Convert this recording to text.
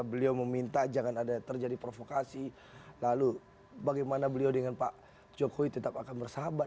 beliau meminta jangan ada terjadi provokasi lalu bagaimana beliau dengan pak jokowi tetap akan bersahabat